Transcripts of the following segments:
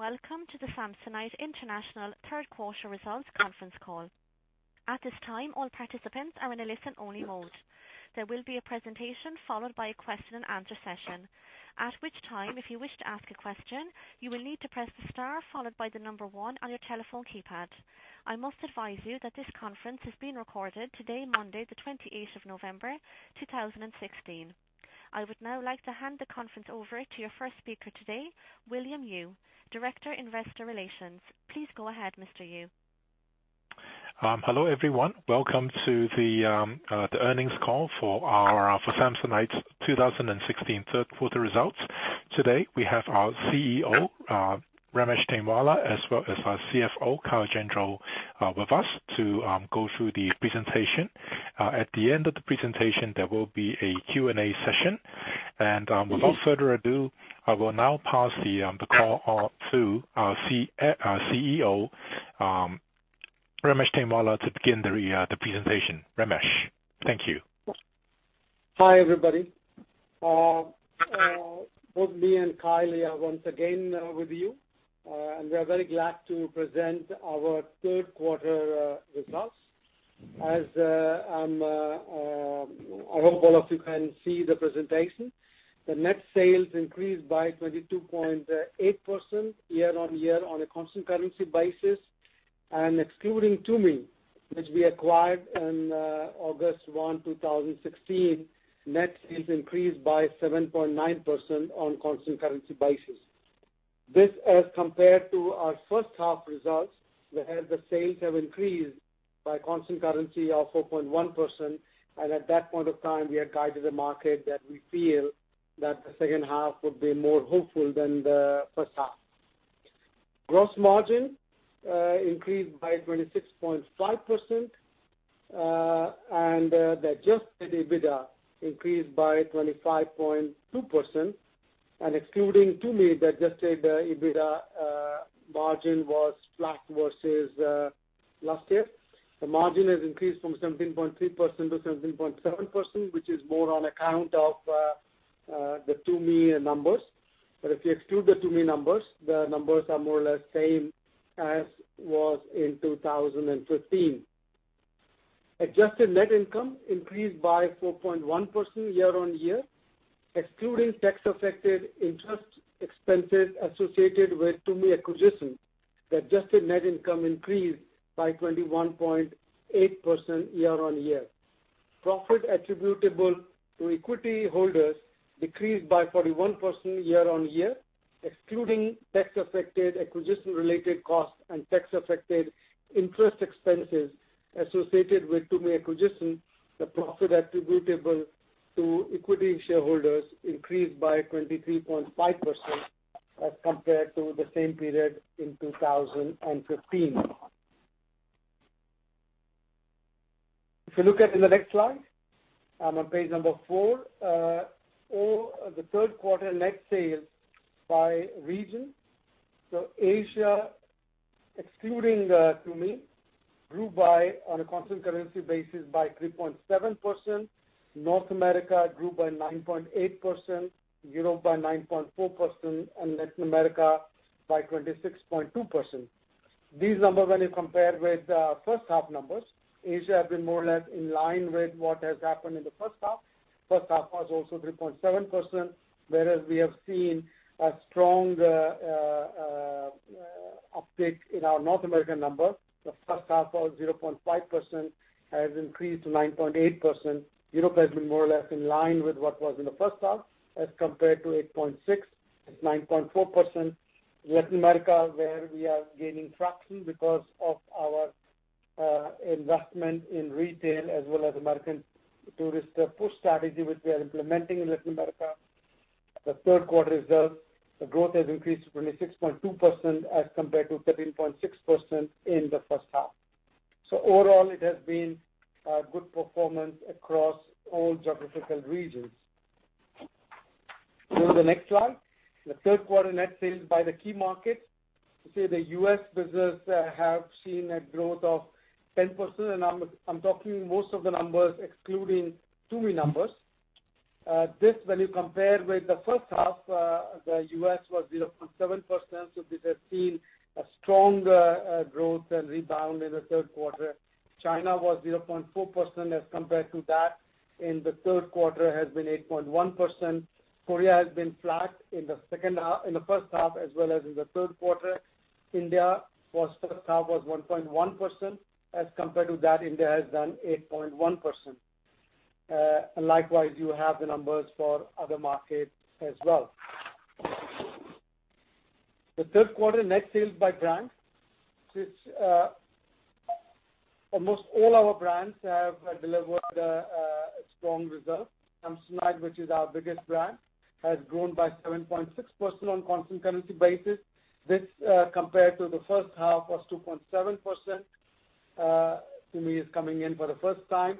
Welcome to the Samsonite International third quarter results conference call. At this time, all participants are in a listen-only mode. There will be a presentation followed by a question and answer session. At which time, if you wish to ask a question, you will need to press the star followed by the number one on your telephone keypad. I must advise you that this conference is being recorded today, Monday the 28th of November, 2016. I would now like to hand the conference over to your first speaker today, William Yue, Director, Investor Relations. Please go ahead, Mr. Yue. Hello, everyone. Welcome to the earnings call for Samsonite's 2016 third quarter results. Today, we have our CEO, Ramesh Tainwala, as well as our CFO, Kyle Gendreau, with us to go through the presentation. At the end of the presentation, there will be a Q&A session. Without further ado, I will now pass the call to our CEO, Ramesh Tainwala, to begin the presentation. Ramesh, thank you. Hi, everybody. Both me and Kyle here once again with you. We are very glad to present our third quarter results. As I hope all of you can see the presentation. The net sales increased by 22.8% year-on-year on a constant currency basis. Excluding Tumi, which we acquired on August 1, 2016, net sales increased by 7.9% on constant currency basis. This, as compared to our first half results, whereas the sales have increased by constant currency of 4.1%. At that point of time, we had guided the market that we feel that the second half would be more hopeful than the first half. Gross margin increased by 26.5%. The adjusted EBITDA increased by 25.2%. Excluding Tumi, the adjusted EBITDA margin was flat versus last year. The margin has increased from 17.3%-17.7%, which is more on account of the Tumi numbers. If you exclude the Tumi numbers, the numbers are more or less same as was in 2015. Adjusted net income increased by 4.1% year-on-year. Excluding tax-affected interest expenses associated with Tumi acquisition, the adjusted net income increased by 21.8% year-on-year. Profit attributable to equity holders decreased by 41% year-on-year. Excluding tax-affected acquisition related costs and tax-affected interest expenses associated with Tumi acquisition, the profit attributable to equity shareholders increased by 23.5% as compared to the same period in 2015. If you look at in the next slide, on page number four, all the third quarter net sales by region. Asia, excluding Tumi, grew by, on a constant currency basis, by 3.7%. North America grew by 9.8%, Europe by 9.4%. Latin America by 26.2%. These numbers, when you compare with first half numbers, Asia has been more or less in line with what has happened in the first half. First half was also 3.7%, whereas we have seen a strong update in our North American number. The first half was 0.5%, has increased to 9.8%. Europe has been more or less in line with what was in the first half as compared to 8.6%, it's 9.4%. Latin America, where we are gaining traction because of our investment in retail as well as American Tourister, the push strategy which we are implementing in Latin America. The third quarter result, the growth has increased to 26.2% as compared to 13.6% in the first half. Overall, it has been a good performance across all geographical regions. Go to the next slide. The third quarter net sales by the key markets. You see the U.S. business have seen a growth of 10%. I'm talking most of the numbers excluding Tumi numbers. This, when you compare with the first half, the U.S. was 0.7%, this has seen a stronger growth and rebound in the third quarter. China was 0.4% as compared to that in the third quarter has been 8.1%. Korea has been flat in the first half as well as in the third quarter. India was first half was 1.1%. As compared to that, India has done 8.1%. Likewise, you have the numbers for other markets as well. The third quarter net sales by brand. Almost all our brands have delivered a strong result. Samsonite, which is our biggest brand, has grown by 7.6% on constant currency basis. This, compared to the first half, was 2.7%. Tumi is coming in for the first time.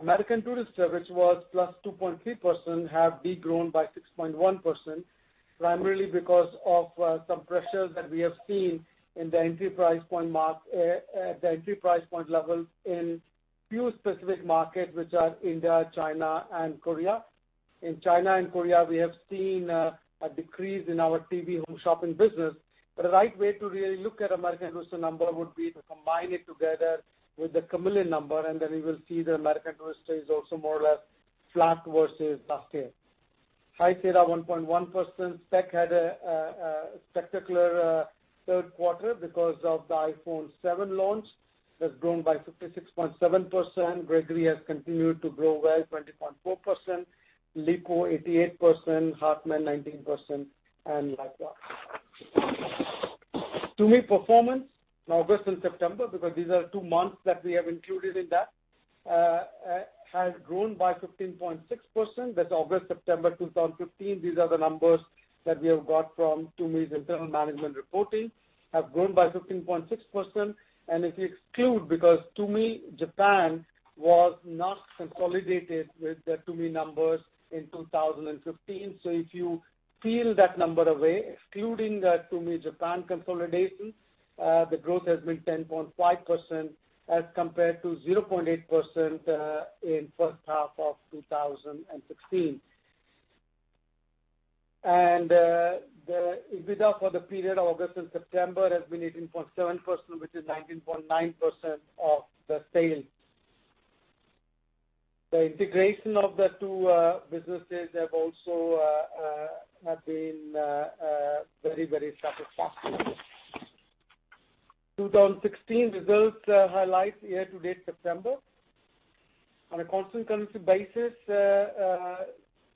American Tourister, which was +2.3%, have de-grown by 6.1%, primarily because of some pressures that we have seen in the entry price point level in few specific markets, which are India, China, and Korea. In China and Korea, we have seen a decrease in our TV home shopping business. The right way to really look at American Tourister number would be to combine it together with the Kamiliant number, and then we will see that American Tourister is also more or less flat versus last year. High Sierra 1.1%. Speck had a spectacular third quarter because of the iPhone 7 launch. It has grown by 56.7%. Gregory has continued to grow well, 20.4%. Lipault, 88%, Hartmann, 19%, and Lladro. Tumi performance in August and September, because these are two months that we have included in that, has grown by 15.6%. That's August, September 2015. These are the numbers that we have got from Tumi's internal management reporting, have grown by 15.6%. If you exclude, because Tumi Japan was not consolidated with the Tumi numbers in 2015. If you peel that number away, excluding the Tumi Japan consolidation, the growth has been 10.5% as compared to 0.8% in first half of 2016. The EBITDA for the period October and September has been 18.7%, which is 19.9% of the sales. The integration of the two businesses have been very satisfactory. 2016 results highlights year to date September. On a constant currency basis,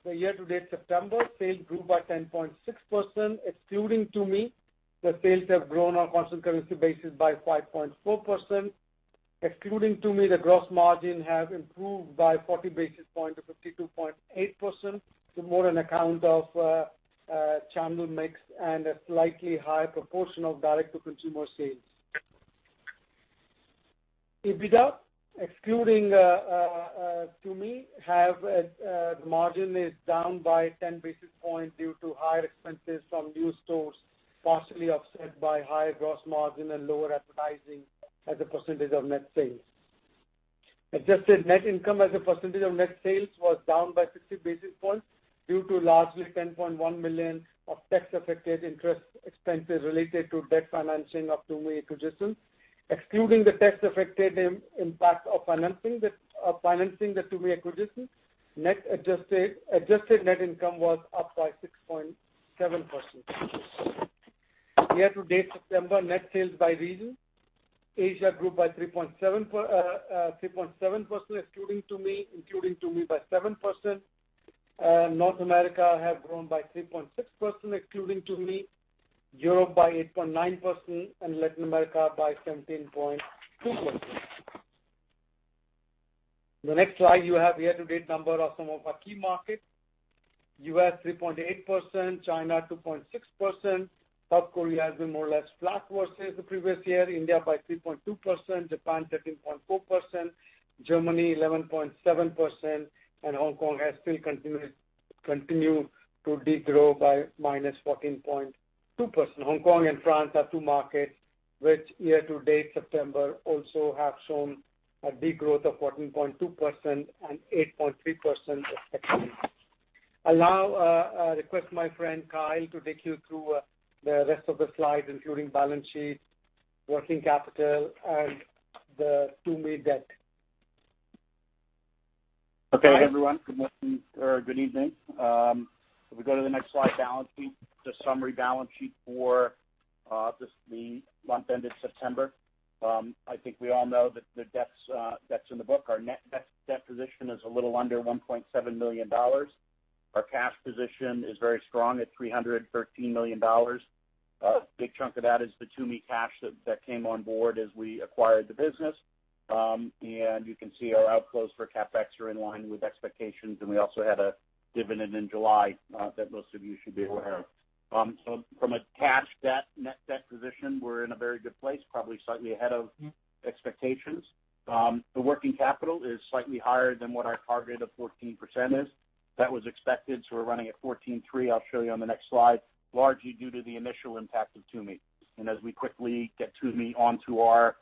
the year to date September sales grew by 10.6%, excluding Tumi. The sales have grown on constant currency basis by 5.4%. Excluding Tumi, the gross margin has improved by 40 basis points to 52.8%, to more on account of channel mix and a slightly higher proportion of direct to consumer sales. EBITDA, excluding Tumi, margin is down by 10 basis points due to higher expenses from new stores, partially offset by higher gross margin and lower advertising as a percentage of net sales. Adjusted net income as a percentage of net sales was down by 50 basis points due to largely $10.1 million of tax affected interest expenses related to debt financing of Tumi acquisition. Excluding the tax affected impact of financing the Tumi acquisition, adjusted net income was up by 6.7%. Year to date September net sales by region. Asia grew by 3.7% excluding Tumi, including Tumi by 7%. North America have grown by 3.6% excluding Tumi, Europe by 8.9%, and Latin America by 17.2%. In the next slide, you have year to date number of some of our key markets. U.S., 3.8%, China 2.6%. South Korea has been more or less flat versus the previous year. India by 3.2%, Japan 13.4%, Germany 11.7%, Hong Kong has still continued to degrow by -14.2%. Hong Kong and France are two markets which year to date September also have shown a degrowth of 14.2% and 8.3% respectively. I now request my friend Kyle to take you through the rest of the slides including balance sheet, working capital, and the Tumi debt. Okay, everyone, good evening. If we go to the next slide, balance sheet. The summary balance sheet for just the month end of September. I think we all know that the debts that's in the book, our net debt position is a little under $1.7 million. Our cash position is very strong at $313 million. A big chunk of that is the Tumi cash that came on board as we acquired the business. You can see our outflows for CapEx are in line with expectations, and we also had a dividend in July that most of you should be aware of. From a cash net debt position, we're in a very good place, probably slightly ahead of expectations. The working capital is slightly higher than what our target of 14% is. That was expected, we're running at 14.3%, I'll show you on the next slide, largely due to the initial impact of Tumi. As we quickly get Tumi onto our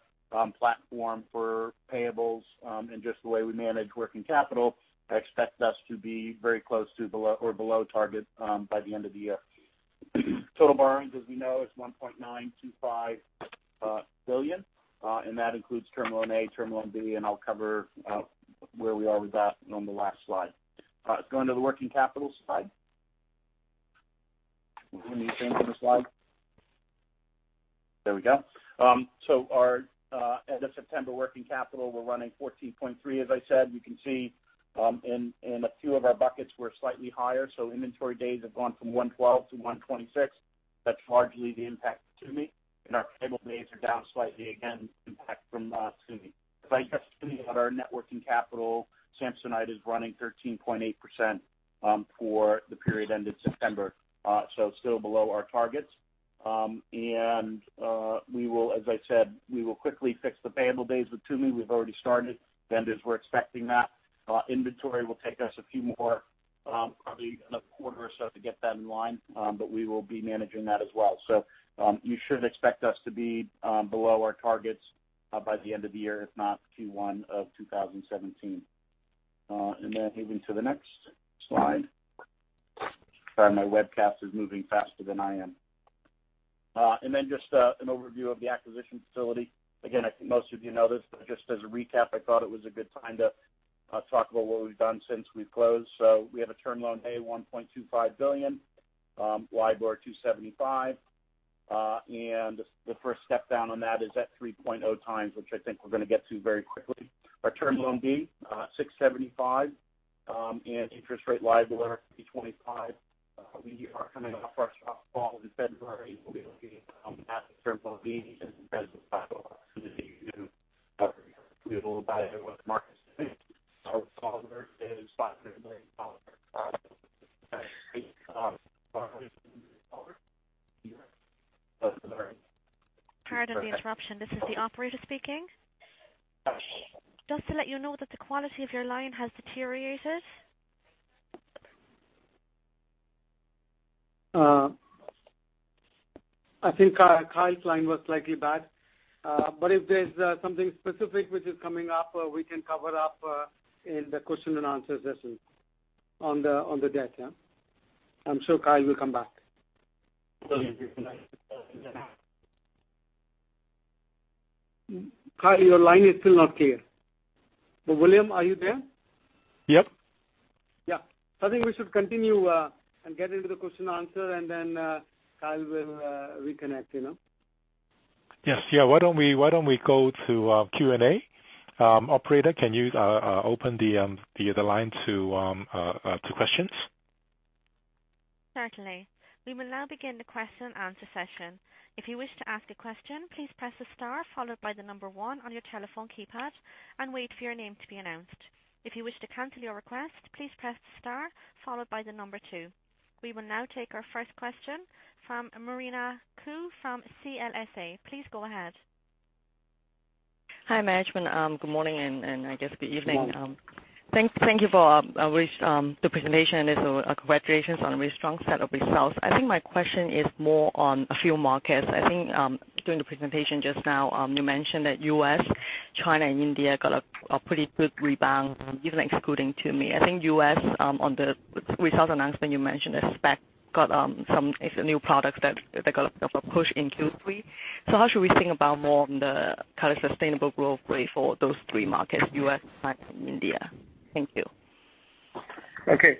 platform for payables, and just the way we manage working capital, I expect us to be very close to or below target by the end of the year. Total borrowings, as we know, is $1.925 billion. That includes Term Loan A, Term Loan B, and I'll cover where we are with that on the last slide. Let's go into the working capital slide. We need the same for the slide. There we go. Our end of September working capital, we're running 14.3%, as I said. You can see in a few of our buckets we're slightly higher. Inventory days have gone from 112 to 126. That's largely the impact of Tumi. Our payable days are down slightly, again, impact from Tumi. If I adjust Tumi out of our net working capital, Samsonite is running 13.8% for the period end of September, so still below our targets. As I said, we will quickly fix the payable days with Tumi. We've already started. Vendors were expecting that. Inventory will take us a few more, probably another quarter or so to get that in line. We will be managing that as well. You should expect us to be below our targets by the end of the year, if not Q1 of 2017. Moving to the next slide. Sorry, my webcast is moving faster than I am. Just an overview of the acquisition facility. Again, I think most of you know this, but just as a recap, I thought it was a good time to talk about what we've done since we've closed. We have a Term Loan A, $1.25 billion, LIBOR 275. The first step down on that is at 3.0 times, which I think we're going to get to very quickly. Our Term Loan B, 675, and interest rate LIBOR, 25. We are coming up for a shop call in February. We'll be looking at Term Loan B and opportunity to do a little about it with Marcus. Our is $500 million. Pardon the interruption. This is the operator speaking. Just to let you know that the quality of your line has deteriorated. I think Kyle's line was slightly bad. If there's something specific which is coming up, we can cover up in the question and answer session on the debt. I'm sure Kyle will come back. Kyle, your line is still not clear. William, are you there? Yep. Yeah. I think we should continue and get into the question and answer, and then Kyle will reconnect. Yes. Why don't we go to Q&A? Operator, can you open the line to questions? Certainly. We will now begin the question-answer session. If you wish to ask a question, please press the star followed by the number 1 on your telephone keypad and wait for your name to be announced. If you wish to cancel your request, please press star followed by the number 2. We will now take our first question from Mariana Kou from CLSA. Please go ahead. Hi, management. Good morning, and I guess good evening. Good morning. Thank you for the presentation, congratulations on a very strong set of results. I think my question is more on a few markets. I think during the presentation just now, you mentioned that U.S., China, and India got a pretty good rebound, even excluding Tumi. I think U.S., on the results announcement you mentioned that Speck got some new products that got a bit of a push in Q3. How should we think about more on the kind of sustainable growth rate for those three markets, U.S., China, and India? Thank you. Okay.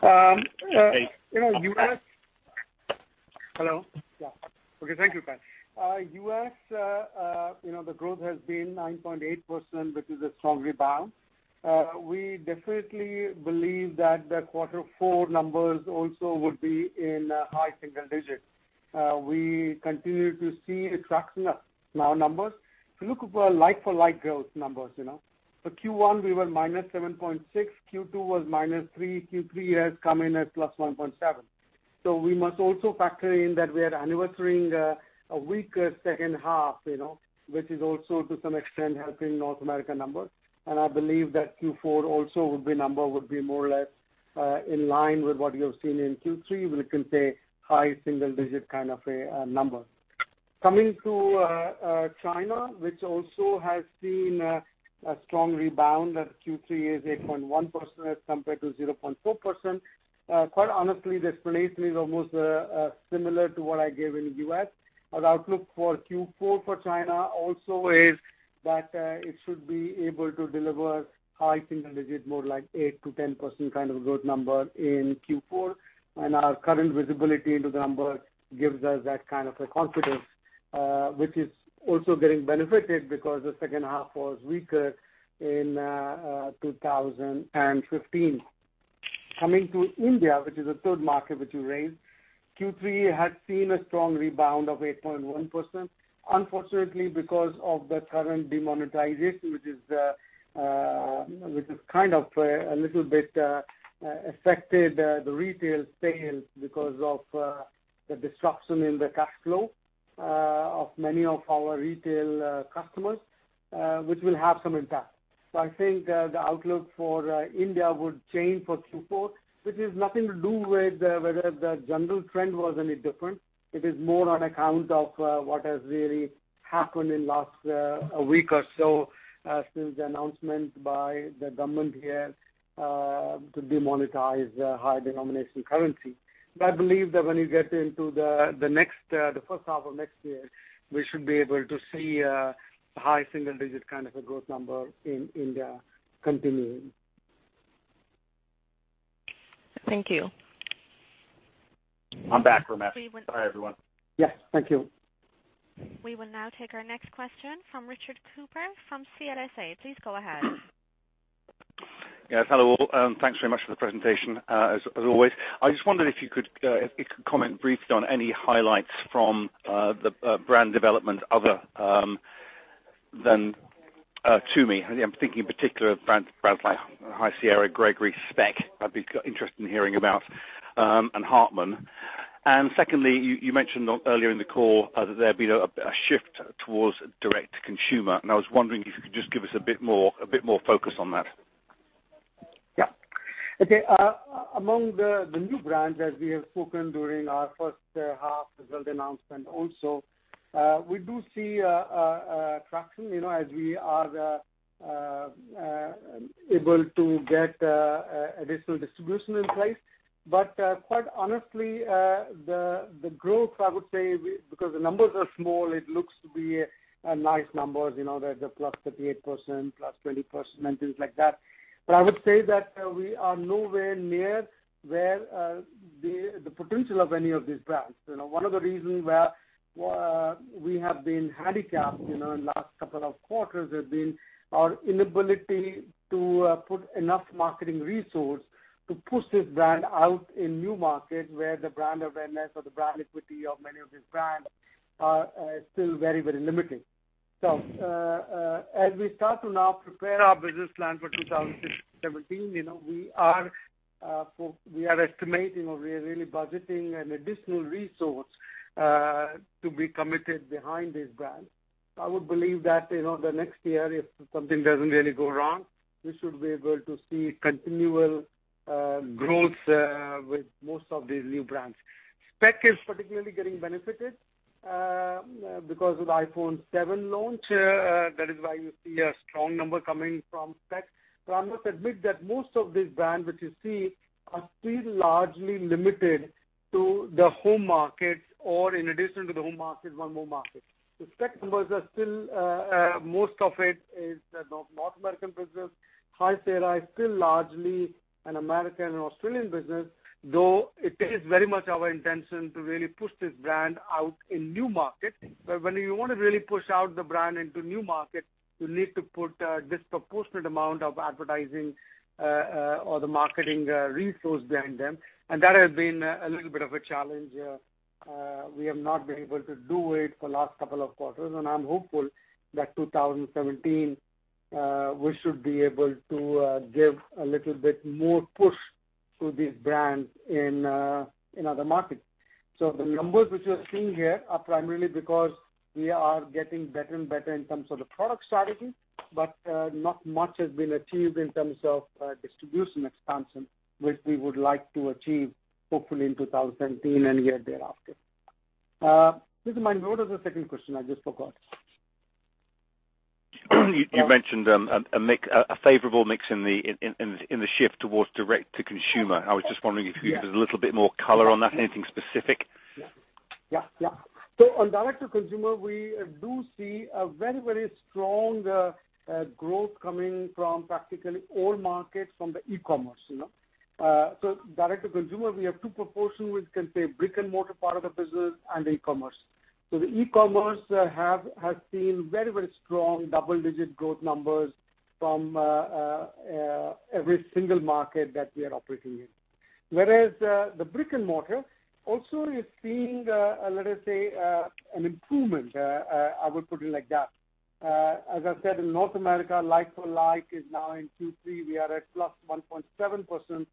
Hello? Yeah. Okay. Thank you, Pat. U.S., the growth has been 9.8%, which is a strong rebound. We definitely believe that the quarter four numbers also would be in high single digits. We continue to see a traction of small numbers. If you look at our like-for-like growth numbers, for Q1 we were -7.6, Q2 was -3, Q3 has come in at +1.7. We must also factor in that we are anniversarying a weaker second half, which is also to some extent helping North America numbers. I believe that Q4 also would be number would be more or less in line with what you have seen in Q3. We can say high single digit kind of a number. Coming to China, which also has seen a strong rebound at Q3 is 8.1% as compared to 0.4%. Quite honestly, the explanation is almost similar to what I gave in U.S. Our outlook for Q4 for China also is that it should be able to deliver high single digit, more like 8%-10% kind of a growth number in Q4. Our current visibility into the numbers gives us that kind of a confidence, which is also getting benefited because the second half was weaker in 2015. Coming to India, which is the third market which you raised, Q3 had seen a strong rebound of 8.1%. Unfortunately, because of the current demonetization, which has kind of a little bit affected the retail sales because of the disruption in the cash flow of many of our retail customers, which will have some impact. I think the outlook for India would change for Q4, which has nothing to do with whether the general trend was any different. It is more on account of what has really happened in last a week or so since the announcement by the government here to demonetize high denomination currency. I believe that when you get into the first half of next year, we should be able to see a high single digit kind of a growth number in India continuing. Thank you. I'm back, Ramesh. We will- Hi, everyone. Yes. Thank you. We will now take our next question from Richard Cooper from CLSA. Please go ahead. Yes. Hello all. Thanks very much for the presentation, as always. I just wondered if you could comment briefly on any highlights from the brand development other than Tumi. I'm thinking in particular of brands like High Sierra, Gregory, Speck, I'd be interested in hearing about, and Hartmann. Secondly, you mentioned earlier in the call that there had been a shift towards direct to consumer, and I was wondering if you could just give us a bit more focus on that. Yeah. Okay. Among the new brands that we have spoken during our first half result announcement also, we do see a traction as we are able to get additional distribution in place. Quite honestly, the growth, I would say, because the numbers are small, it looks to be a nice numbers, the +38%, +20% and things like that. I would say that we are nowhere near where the potential of any of these brands. One of the reasons where we have been handicapped in the last couple of quarters has been our inability to put enough marketing resource to push this brand out in new markets where the brand awareness or the brand equity of many of these brands are still very, very limited. As we start to now prepare our business plan for 2017, we are estimating or we are really budgeting an additional resource to be committed behind this brand. I would believe that in the next year, if something doesn't really go wrong, we should be able to see continual growth with most of these new brands. Speck is particularly getting benefited because of the iPhone 7 launch. That is why you see a strong number coming from Speck. I must admit that most of these brands which you see are still largely limited to the home market or in addition to the home market, one more market. The Speck numbers are still, most of it is the North American business. High Sierra is still largely an American and Australian business, though it is very much our intention to really push this brand out in new markets. When you want to really push out the brand into new markets, you need to put a disproportionate amount of advertising or the marketing resource behind them. That has been a little bit of a challenge. We have not been able to do it for last couple of quarters, and I'm hopeful that 2017, we should be able to give a little bit more push to these brands in other markets. The numbers which you are seeing here are primarily because we are getting better and better in terms of the product strategy, but not much has been achieved in terms of distribution expansion, which we would like to achieve hopefully in 2017 and year thereafter. If you don't mind, what was the second question? I just forgot. You mentioned a favorable mix in the shift towards direct to consumer. I was just wondering if you could give a little bit more color on that. Anything specific? Yeah. On direct to consumer, we do see a very, very strong growth coming from practically all markets from the e-commerce. Direct to consumer, we have two proportion, we can say brick and mortar part of the business and the e-commerce. The e-commerce has seen very, very strong double-digit growth numbers from every single market that we are operating in. Whereas the brick and mortar also is seeing, let us say, an improvement, I would put it like that. As I said, in North America, like for like is now in Q3, we are at +1.7%.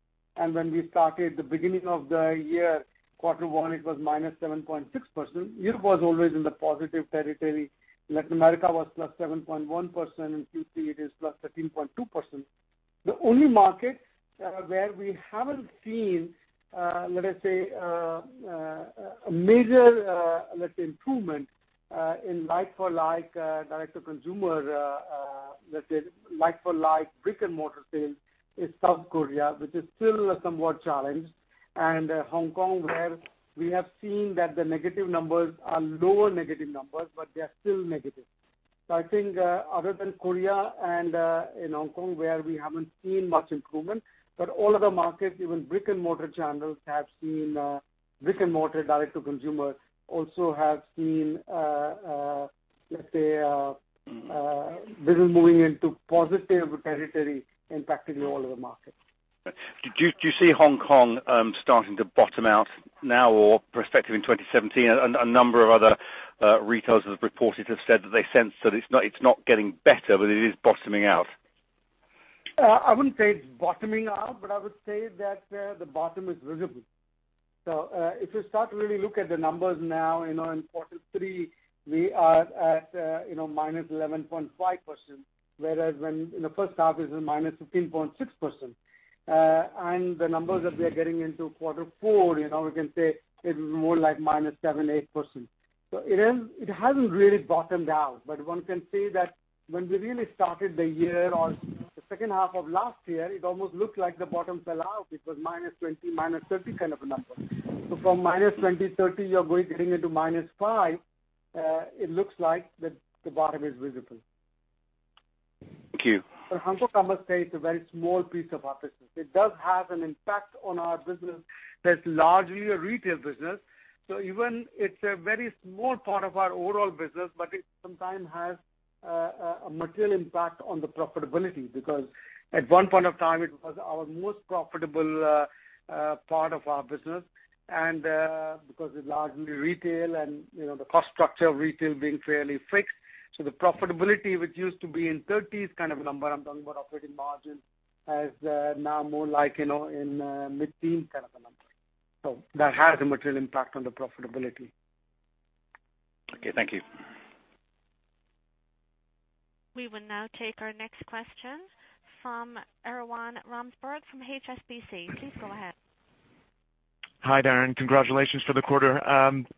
When we started the beginning of the year, quarter one, it was -7.6%. Europe was always in the positive territory. Latin America was +7.1%, in Q3 it is +13.2%. The only markets where we haven't seen, let us say, a major improvement in like for like direct to consumer, let's say, like for like brick and mortar sales is South Korea, which is still somewhat challenged, and Hong Kong, where we have seen that the negative numbers are lower negative numbers, but they are still negative. I think other than Korea and in Hong Kong, where we haven't seen much improvement, but all other markets, even brick and mortar direct to consumer also have seen, let's say, business moving into positive territory in practically all of the markets. Do you see Hong Kong starting to bottom out now or prospective in 2017? A number of other retailers have reported have said that they sense that it's not getting better, but it is bottoming out. I wouldn't say it's bottoming out, but I would say that the bottom is visible. If you start to really look at the numbers now, in quarter three, we are at -11.5%, whereas when in the first half it was -15.6%. The numbers that we are getting into quarter four, we can say it is more like -7%, 8%. It hasn't really bottomed out. One can say that when we really started the year or the second half of last year, it almost looked like the bottom fell out. It was -20%, -30% kind of a number. From -20%, 30%, you are getting into -5%, it looks like the bottom is visible. Thank you. Hong Kong, I must say, it's a very small piece of our business. It does have an impact on our business that's largely a retail business. Even it's a very small part of our overall business, but it sometimes has a material impact on the profitability because at one point of time it was our most profitable part of our business, and because it's largely retail and the cost structure of retail being fairly fixed. The profitability, which used to be in 30s kind of a number, I'm talking about operating margin, has now more like in mid-teen kind of a number. That has a material impact on the profitability. Okay. Thank you. We will now take our next question from Erwan Rambourg from HSBC. Please go ahead. Hi, Darren. Congratulations for the quarter.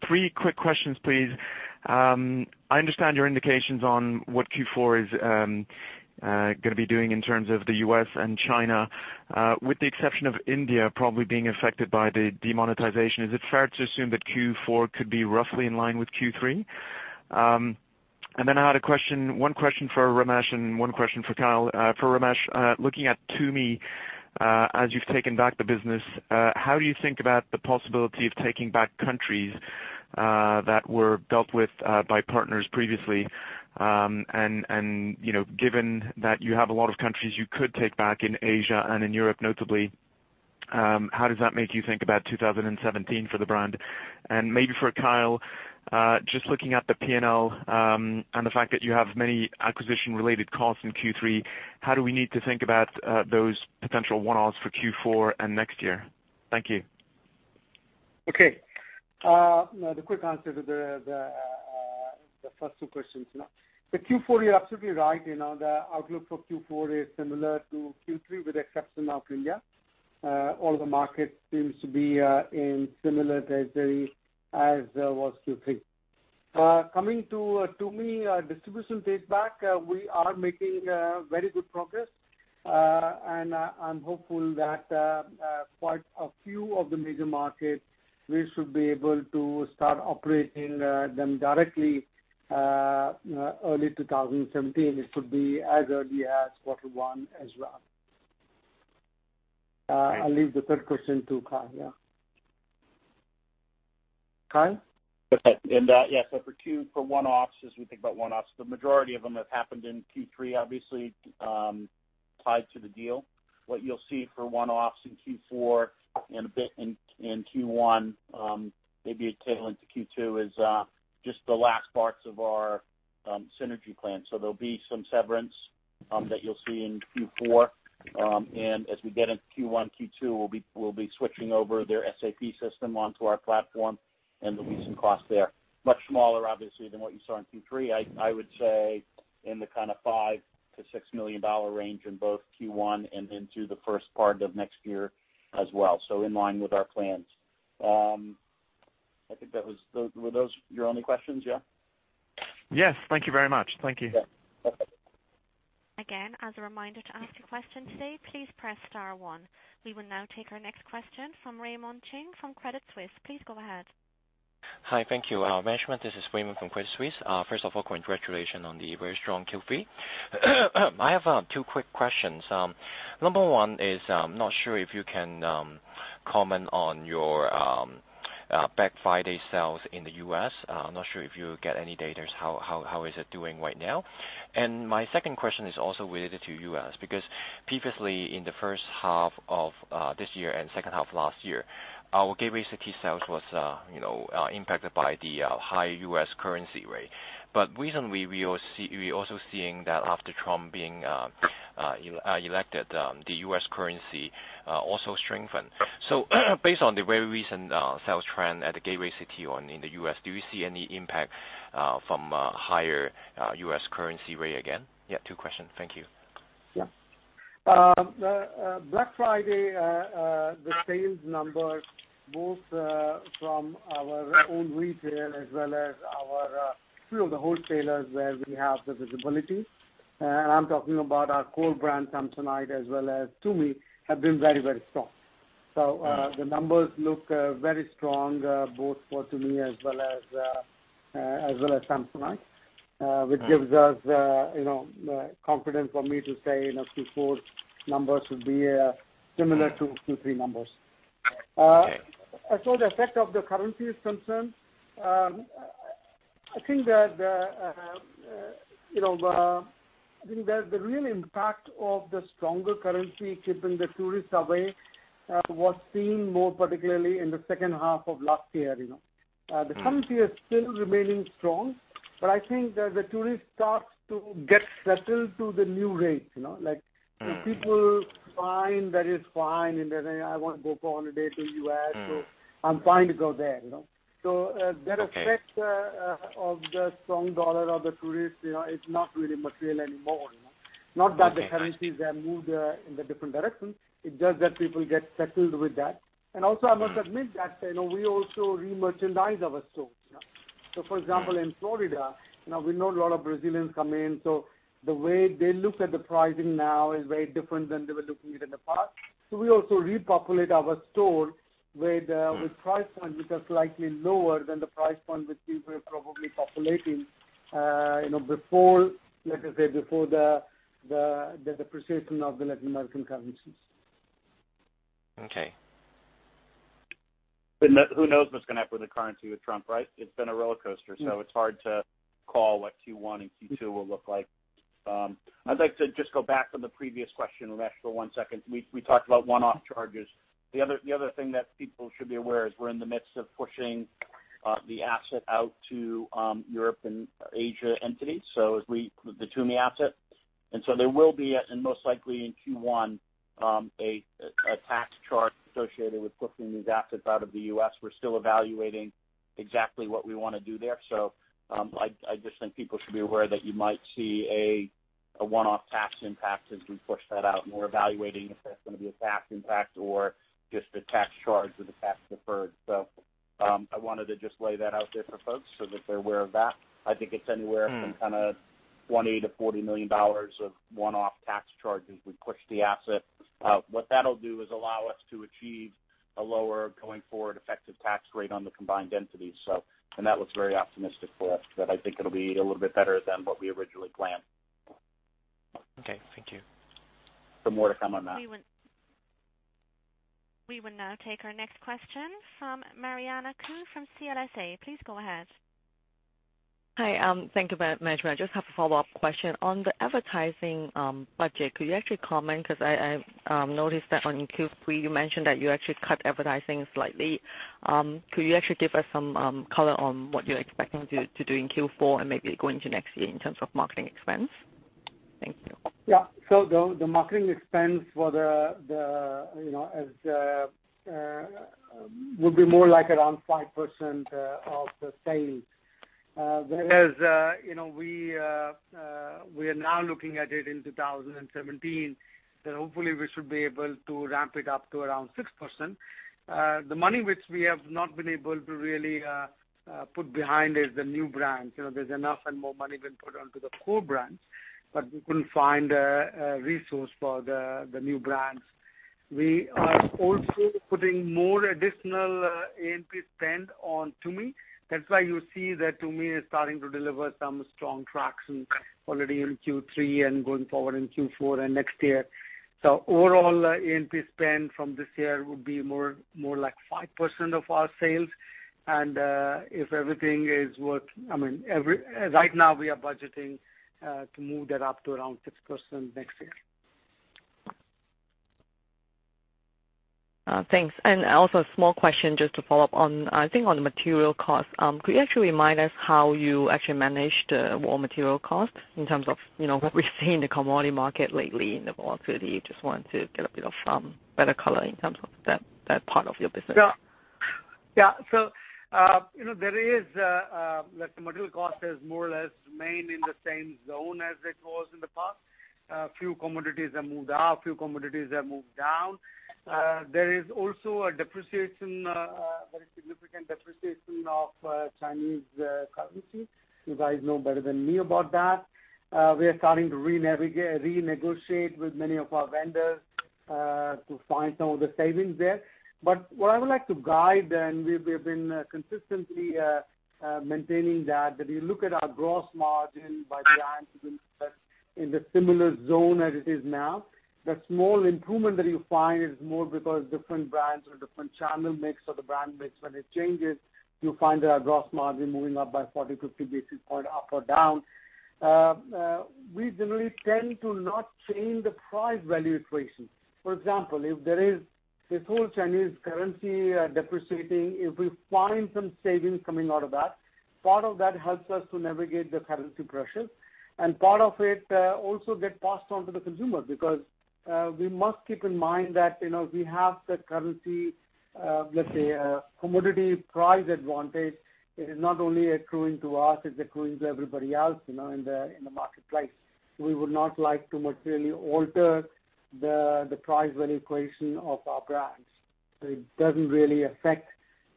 Three quick questions, please. I understand your indications on what Q4 is going to be doing in terms of the U.S. and China. With the exception of India probably being affected by the demonetization, is it fair to assume that Q4 could be roughly in line with Q3? I had one question for Ramesh and one question for Kyle. For Ramesh, looking at Tumi, as you've taken back the business, how do you think about the possibility of taking back countries that were dealt with by partners previously? Given that you have a lot of countries you could take back in Asia and in Europe notably, how does that make you think about 2017 for the brand? Maybe for Kyle, just looking at the P&L, and the fact that you have many acquisition-related costs in Q3, how do we need to think about those potential one-offs for Q4 and next year? Thank you. Okay. The quick answer to the first two questions. For Q4, you're absolutely right. The outlook for Q4 is similar to Q3 with the exception of India. All the markets seem to be in similar territory as was Q3. Coming to Tumi distribution take-back, we are making very good progress. I'm hopeful that quite a few of the major markets, we should be able to start operating them directly early 2017. It could be as early as quarter one as well. Thanks. I'll leave the third question to Kyle, yeah. Kyle? Okay. For one-offs, as we think about one-offs, the majority of them have happened in Q3, obviously, tied to the deal. What you'll see for one-offs in Q4 and a bit in Q1, maybe a tail end into Q2, is just the last parts of our synergy plan. There'll be some severance that you'll see in Q4. As we get into Q1, Q2, we'll be switching over their SAP system onto our platform, and there'll be some costs there. Much smaller, obviously, than what you saw in Q3. I would say in the kind of $5 million-$6 million range in both Q1 and into the first part of next year as well. In line with our plans. I think, were those your only questions, yeah? Yes. Thank you very much. Thank you. Yeah. Okay. Again, as a reminder to ask a question today, please press star one. We will now take our next question from Raymond Ching from Credit Suisse. Please go ahead. Hi. Thank you. Ramesh, this is Raymond from Credit Suisse. First of all, congratulations on the very strong Q3. I have two quick questions. Number one is, I'm not sure if you can comment on your Black Friday sales in the U.S. I'm not sure if you get any data. How is it doing right now? My second question is also related to U.S., because previously in the first half of this year and second half of last year, our Gateway City sales was impacted by the high U.S. currency rate. Recently, we're also seeing that after Trump being elected, the U.S. currency also strengthened. So based on the very recent sales trend at the Gateway City in the U.S., do you see any impact from a higher U.S. currency rate again? Two questions. Thank you. Black Friday, the sales numbers, both from our own retail as well as a few of the wholesalers where we have the visibility, and I'm talking about our core brand, Samsonite, as well as Tumi, have been very strong. The numbers look very strong both for Tumi as well as Samsonite, which gives us the confidence for me to say Q4 numbers would be similar to Q3 numbers. Okay. As far as the effect of the currency is concerned, I think that the real impact of the stronger currency keeping the tourists away was seen more particularly in the second half of last year. The currency is still remaining strong. I think that the tourist starts to get settled to the new rate. people find that it's fine and then they say, "I want to go for holiday to U.S.- so I'm fine to go there. The effect Okay of the strong dollar of the tourists, it's not really material anymore. Okay. Not that the currencies have moved in the different directions. It's just that people get settled with that. Also, I must admit that we also re-merchandise our stores. For example, in Florida, we know a lot of Brazilians come in, the way they look at the pricing now is very different than they were looking it in the past. We also repopulate our store with price points which are slightly lower than the price point which we were probably populating let us say, before the depreciation of the Latin American currencies. Okay. Who knows what's going to happen with the currency with Trump, right? It's been a rollercoaster. It's hard to call what Q1 and Q2 will look like. I'd like to just go back on the previous question, Ramesh, for one second. We talked about one-off charges. The other thing that people should be aware is we're in the midst of pushing the asset out to Europe and Asia entities. The Tumi asset There will be, and most likely in Q1, a tax charge associated with pushing these assets out of the U.S. We're still evaluating exactly what we want to do there. I just think people should be aware that you might see a one-off tax impact as we push that out, and we're evaluating if that's going to be a tax impact or just a tax charge with the tax deferred. I wanted to just lay that out there for folks so that they're aware of that. I think it's anywhere from $20 million-$40 million of one-off tax charge as we push the asset. What that'll do is allow us to achieve a lower going-forward effective tax rate on the combined entities. That looks very optimistic for us, but I think it'll be a little bit better than what we originally planned. Okay, thank you. More to come on that. We will now take our next question from Mariana Kou from CLSA. Please go ahead. Hi. Thank you very much. I just have a follow-up question. On the advertising budget, could you actually comment, because I noticed that in Q3 you mentioned that you actually cut advertising slightly. Could you actually give us some color on what you're expecting to do in Q4 and maybe going to next year in terms of marketing expense? Thank you. Yeah. The marketing expense will be more like around 5% of the sales. Whereas we are now looking at it in 2017, that hopefully we should be able to ramp it up to around 6%. The money which we have not been able to really put behind is the new brands. There's enough and more money been put onto the core brands, but we couldn't find a resource for the new brands. We are also putting more additional A&P spend on Tumi. That's why you see that Tumi is starting to deliver some strong traction already in Q3 and going forward in Q4 and next year. Overall, A&P spend from this year will be more like 5% of our sales. Right now we are budgeting to move that up to around 6% next year. Thanks. Also a small question just to follow up on, I think on the material cost. Could you actually remind us how you actually manage the raw material cost in terms of what we've seen in the commodity market lately and the volatility? Just want to get a bit of some better color in terms of that part of your business. Yeah. The material cost has more or less remained in the same zone as it was in the past. A few commodities have moved up, a few commodities have moved down. There is also a very significant depreciation of Chinese currency. You guys know better than me about that. We are starting to renegotiate with many of our vendors, to find some of the savings there. But what I would like to guide, and we've been consistently maintaining that if you look at our gross margin by brand, it will be in the similar zone as it is now. The small improvement that you find is more because different brands or different channel mix or the brand mix, when it changes, you'll find that our gross margin moving up by 40, 50 basis points up or down. We generally tend to not change the price value equation. For example, if this whole Chinese currency depreciating, if we find some savings coming out of that, part of that helps us to navigate the currency pressures, and part of it also get passed on to the consumer, because we must keep in mind that if we have the currency, let's say, commodity price advantage, it is not only accruing to us, it's accruing to everybody else in the marketplace. We would not like to materially alter the price value equation of our brands. It doesn't really affect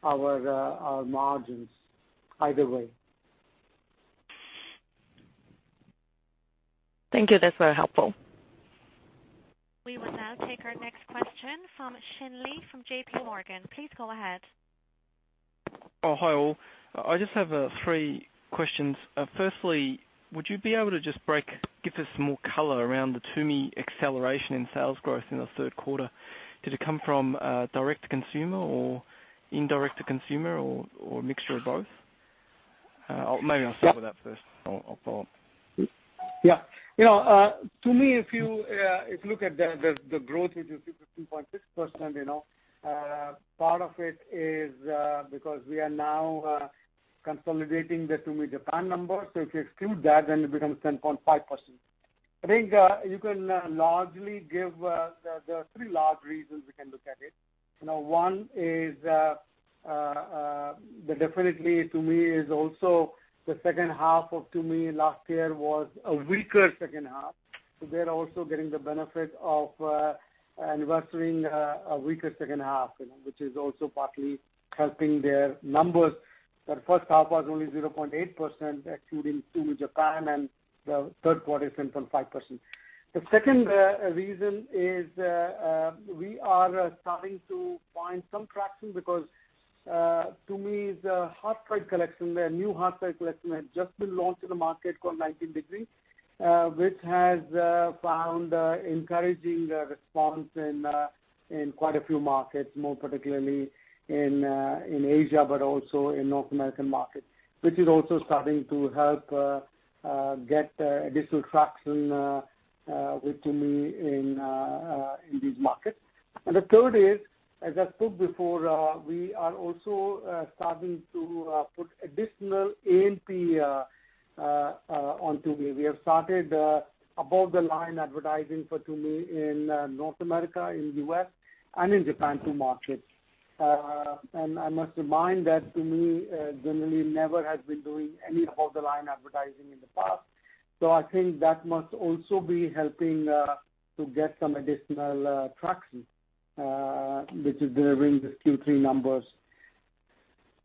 our margins either way. Thank you. That's very helpful. We will now take our next question from Xin Li from JP Morgan. Please go ahead. Oh, hi all. I just have three questions. Firstly, would you be able to just give us more color around the Tumi acceleration in sales growth in the third quarter? Did it come from direct to consumer or indirect to consumer or a mixture of both? Maybe I'll start with that first. I'll follow up. Yeah. Tumi, if you look at the growth, which is 2.6%, part of it is because we are now consolidating the Tumi Japan numbers. If you exclude that, then it becomes 7.5%. I think there are three large reasons we can look at it. One is that definitely Tumi is also the second half of Tumi last year was a weaker second half. They're also getting the benefit of anniversarying a weaker second half, which is also partly helping their numbers. Their first half was only 0.8%, excluding Tumi Japan, and the third quarter is 7.5%. The second reason is we are starting to find some traction because Tumi's hard side collection, their new hard side collection had just been launched in the market called 19 Degree which has found encouraging response in quite a few markets, more particularly in Asia, but also in North American markets, which is also starting to help get additional traction with Tumi in these markets. The third is, as I said before, we are also starting to put additional A&P on Tumi. We have started above-the-line advertising for Tumi in North America, in U.S., and in Japan to market. I must remind that Tumi generally never has been doing any above-the-line advertising in the past. I think that must also be helping to get some additional traction, which is delivering these Q3 numbers.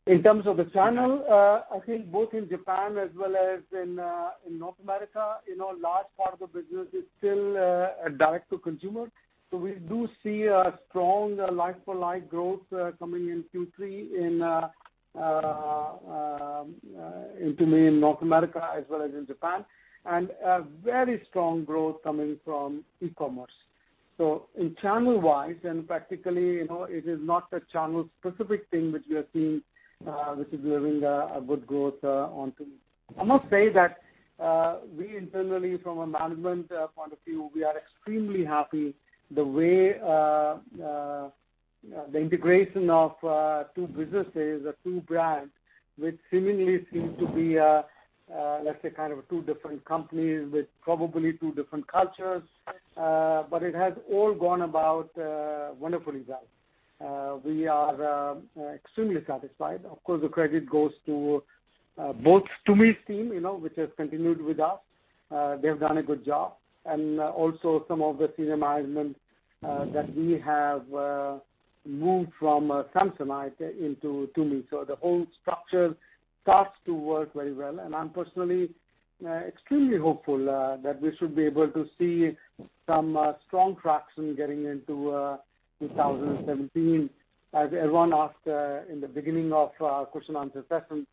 In terms of the channel, I think both in Japan as well as in North America, large part of the business is still direct to consumer. We do see a strong like-for-like growth coming in Q3 in Tumi in North America as well as in Japan, and a very strong growth coming from e-commerce. In channel-wise, and practically, it is not a channel-specific thing which we are seeing, which is delivering a good growth on Tumi. I must say that we internally, from a management point of view, we are extremely happy the way the integration of two businesses or two brands, which seemingly seem to be, let's say, two different companies with probably two different cultures, but it has all gone about wonderfully well. We are extremely satisfied. Of course, the credit goes to both Tumi's team, which has continued with us. They've done a good job. Also some of the senior management that we have moved from Samsonite into Tumi. The whole structure starts to work very well. I'm personally extremely hopeful that we should be able to see some strong traction getting into 2017. As everyone asked in the beginning of our question and answer session,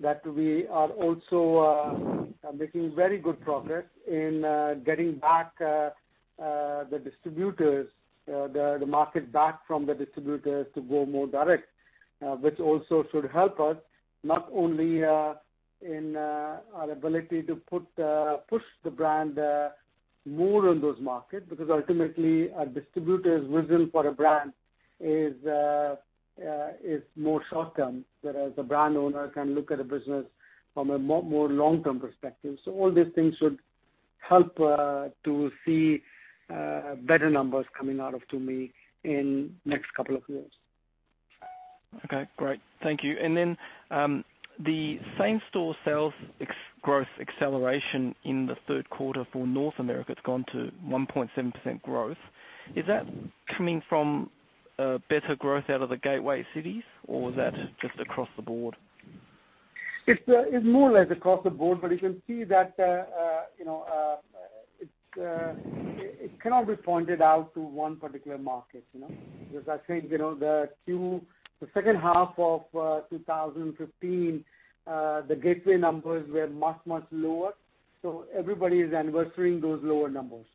that we are also making very good progress in getting back the distributors, the market back from the distributors to go more direct. Which also should help us not only in our ability to push the brand more in those markets, because ultimately a distributor's vision for a brand is more short-term, whereas a brand owner can look at a business from a more long-term perspective. All these things should help to see better numbers coming out of Tumi in next couple of years. Okay, great. Thank you. Then, the same-store sales growth acceleration in the third quarter for North America has gone to 1.7% growth. Is that coming from better growth out of the gateway cities, or is that just across the board? It's more or less across the board, you can see that it cannot be pointed out to one particular market. I think the second half of 2015, the gateway numbers were much, much lower. Everybody is anniversarying those lower numbers.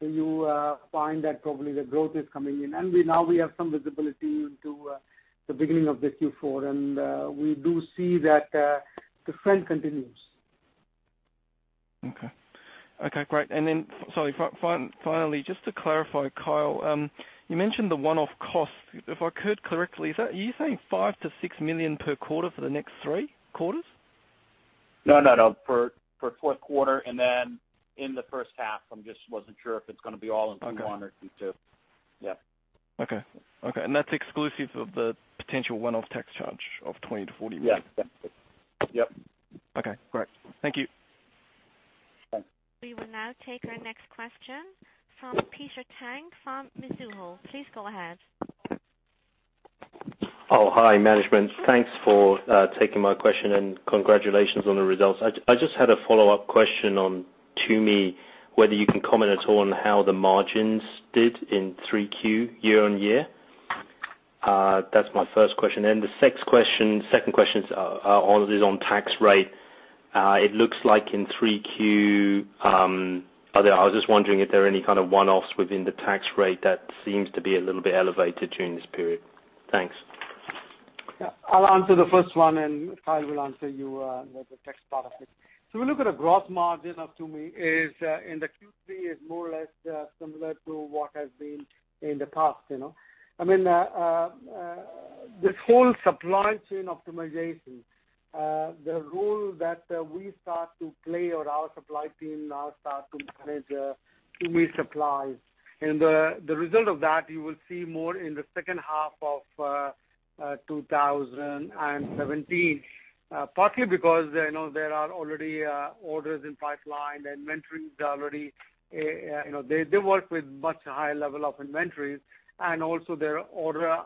You find that probably the growth is coming in. Now we have some visibility into the beginning of the Q4, and we do see that the trend continues. Okay. Okay, great. Sorry, finally, just to clarify, Kyle, you mentioned the one-off cost. If I heard correctly, are you saying $5 million-$6 million per quarter for the next three quarters? No, for fourth quarter, and then in the first half. I just wasn't sure if it's going to be all in Q1 or Q2. Okay. That's exclusive of the potential one-off tax charge of $20 million-$40 million? Yes, that's it. Yep. Okay, great. Thank you. Thanks. We will now take our next question from Peter Tang from Mizuho. Please go ahead. Hi, management. Thanks for taking my question, and congratulations on the results. I just had a follow-up question on Tumi, whether you can comment at all on how the margins did in 3Q year-on-year? That's my first question. The second question is on tax rate. It looks like in 3Q, I was just wondering if there are any kind of one-offs within the tax rate that seems to be a little bit elevated during this period. Thanks. I'll answer the first one, and Kyle will answer you with the tax part of it. If you look at the gross margin of Tumi is in the Q3 is more or less similar to what has been in the past. This whole supply chain optimization, the role that we start to play or our supply team now start to manage Tumi supplies. The result of that, you will see more in the second half of 2017. Partly because there are already orders in pipeline, the inventory is already, they work with much higher level of inventories, and also their order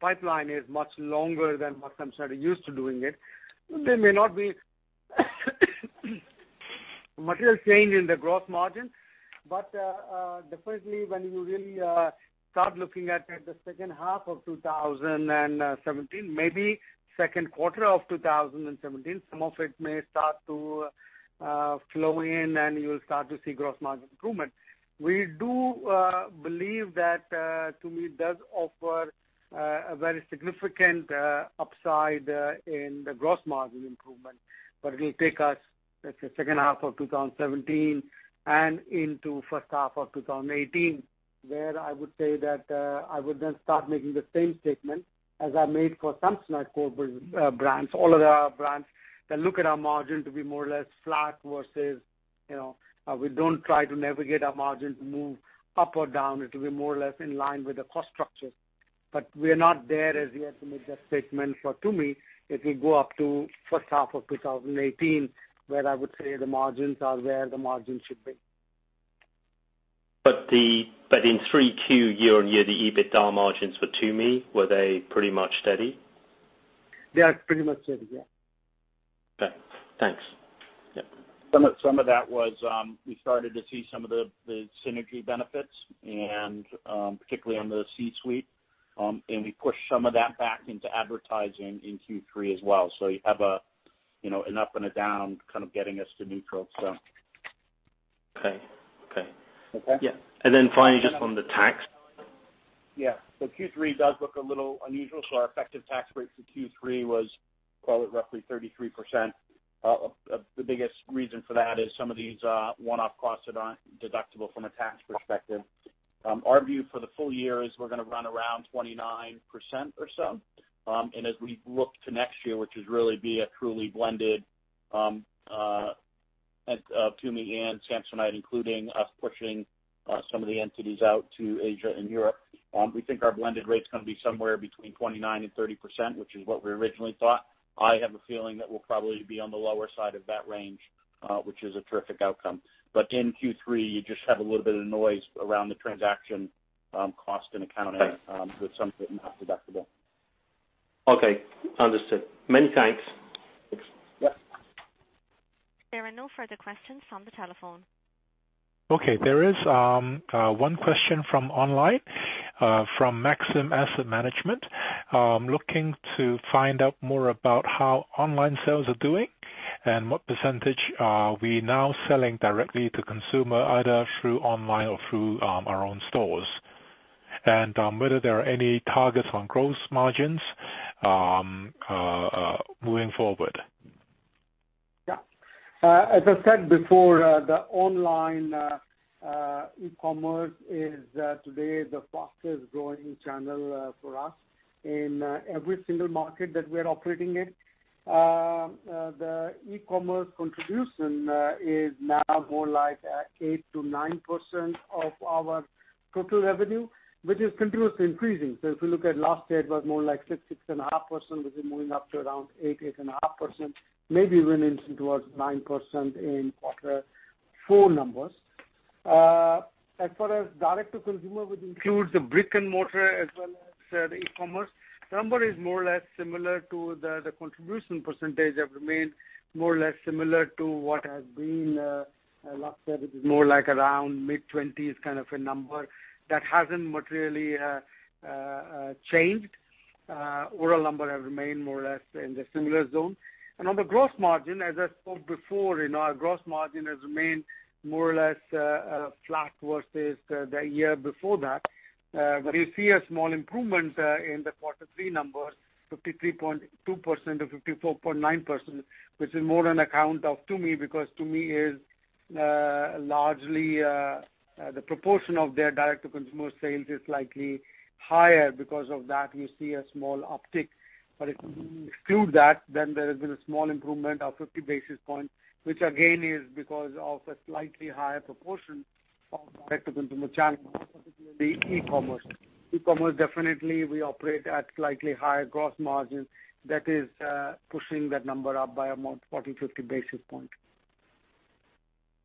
pipeline is much longer than what Samsonite used to doing it. There may not be much change in the gross margin, but definitely when you really start looking at the second half of 2017, maybe second quarter of 2017, some of it may start to flow in, and you'll start to see gross margin improvement. We do believe that Tumi does offer a very significant upside in the gross margin improvement. It will take us, let's say, second half of 2017 and into first half of 2018, where I would say that I would then start making the same statement as I made for Samsonite corporate brands, all of our brands, then look at our margin to be more or less flat versus we don't try to navigate our margin to move up or down. It will be more or less in line with the cost structures. We are not there as yet to make that statement for Tumi. It will go up to first half of 2018, where I would say the margins are where the margins should be. In 3Q, year-on-year, the EBITDA margins for Tumi, were they pretty much steady? They are pretty much steady. Okay. Thanks. Some of that was, we started to see some of the synergy benefits, particularly on the C-suite. We pushed some of that back into advertising in Q3 as well. You have an up and a down kind of getting us to neutral. Okay. Okay? Finally, just on the tax. Q3 does look a little unusual. Our effective tax rate for Q3 was, call it, roughly 33%. The biggest reason for that is some of these one-off costs that aren't deductible from a tax perspective. Our view for the full year is we're gonna run around 29% or so. As we look to next year, which would really be a truly blended Tumi and Samsonite, including us pushing some of the entities out to Asia and Europe, we think our blended rate's gonna be somewhere between 29%-30%, which is what we originally thought. I have a feeling that we'll probably be on the lower side of that range, which is a terrific outcome. In Q3, you just have a little bit of noise around the transaction cost and accounting. Okay with some of it not deductible. Okay. Understood. Many thanks. Yeah. There are no further questions on the telephone. Okay. There is one question from online, from Maxim Asset Management, looking to find out more about how online sales are doing and what % are we now selling directly to consumer, either through online or through our own stores. Whether there are any targets on gross margins moving forward. As I said before, the online e-commerce is today the fastest growing channel for us in every single market that we're operating in. The e-commerce contribution is now more like 8%-9% of our total revenue, which is continuously increasing. If you look at last year, it was more like 6%-6.5%, which is moving up to around 8%-8.5%, maybe even into towards 9% in quarter four numbers. As far as direct to consumer, which includes the brick and mortar as well as the e-commerce, the number is more or less similar to the contribution percentage have remained more or less similar to what has been last year. It is more like around mid-20s kind of a number. That hasn't materially changed. Overall number have remained more or less in the similar zone. On the gross margin, as I said before, our gross margin has remained more or less flat versus the year before that. You see a small improvement in the quarter three numbers, 53.2%-54.9%, which is more on account of Tumi because Tumi is largely the proportion of their direct-to-consumer sales is likely higher. Because of that, you see a small uptick. If you exclude that, then there has been a small improvement of 50 basis points, which again is because of a slightly higher proportion of direct-to-consumer channels, particularly e-commerce. E-commerce definitely we operate at slightly higher gross margin. That is pushing that number up by about 40-50 basis points.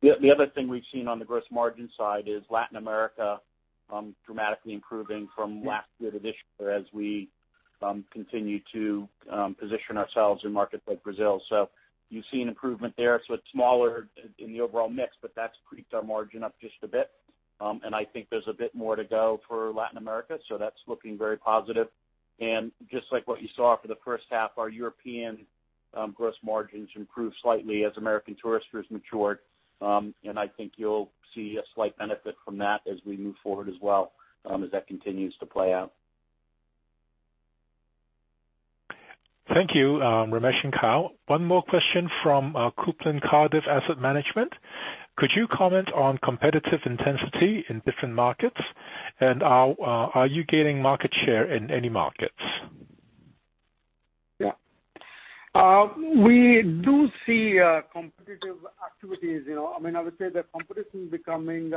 The other thing we've seen on the gross margin side is Latin America dramatically improving from last year to this year as we continue to position ourselves in markets like Brazil. You see an improvement there. It's smaller in the overall mix, but that's creaked our margin up just a bit. I think there's a bit more to go for Latin America, that's looking very positive. Just like what you saw for the first half, our European gross margins improved slightly as American Tourister has matured. I think you'll see a slight benefit from that as we move forward as well, as that continues to play out. Thank you, Ramesh and Kyle. One more question from Coupland Cardiff Asset Management. Could you comment on competitive intensity in different markets, and are you gaining market share in any markets? Yeah. We do see competitive activities. I would say that competition is becoming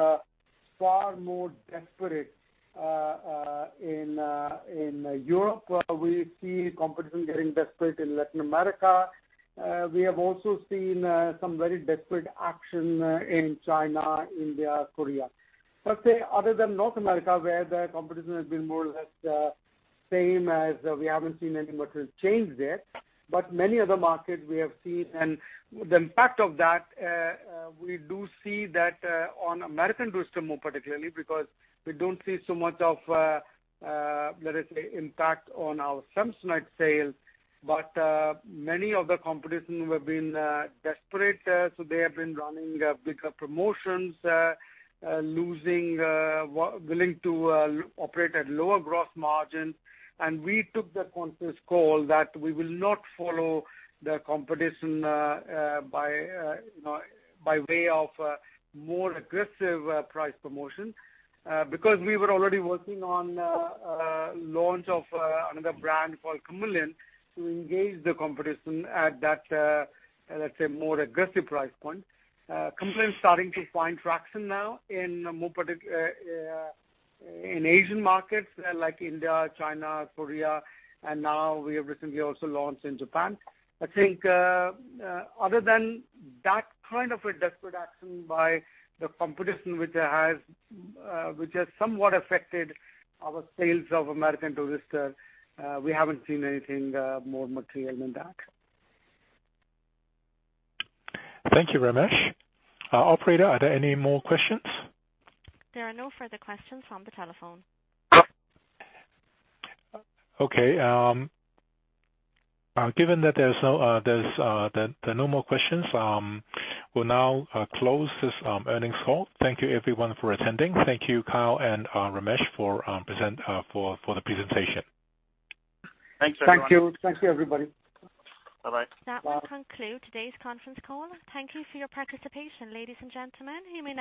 far more desperate in Europe. We see competition getting desperate in Latin America. We have also seen some very desperate action in China, India, Korea. Other than North America, where the competition has been more or less the same as we haven't seen any material change there. Many other markets we have seen, and the impact of that, we do see that on American Tourister more particularly because we don't see so much of, let us say, impact on our Samsonite sales. Many of the competition have been desperate, so they have been running bigger promotions, losing willing to operate at lower gross margins. We took the conscious call that we will not follow the competition by way of more aggressive price promotion because we were already working on launch of another brand called Kamiliant to engage the competition at that, let's say, more aggressive price point. Kamiliant's starting to find traction now in Asian markets like India, China, Korea, and now we have recently also launched in Japan. I think other than that kind of a desperate action by the competition which has somewhat affected our sales of American Tourister, we haven't seen anything more material than that. Thank you, Ramesh. Operator, are there any more questions? There are no further questions on the telephone. Okay. Given that there's no more questions, we'll now close this earnings call. Thank you everyone for attending. Thank you Kyle and Ramesh for the presentation. Thanks, everyone. Thank you. Thank you, everybody. Bye-bye. That will conclude today's conference call. Thank you for your participation, ladies and gentlemen.